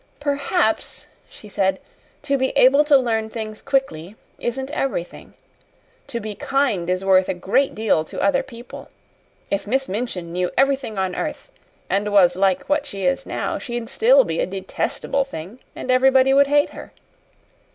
"Perhaps," she said, "to be able to learn things quickly isn't everything. To be kind is worth a great deal to other people. If Miss Minchin knew everything on earth and was like what she is now, she'd still be a detestable thing, and everybody would hate her.